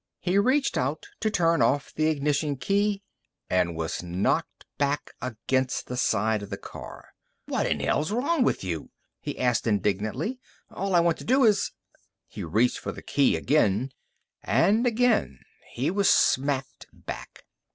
He reached out to turn off the ignition key And was knocked back against the side of the car. "What in hell's wrong with you?" he asked indignantly. "All I want to do is " He reached for the key again, and again he was smacked back.